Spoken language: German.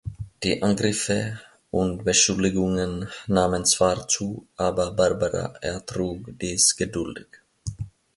Die Angriffe und Beschuldigungen nahmen zwar zu, aber Barbara ertrug dies geduldig.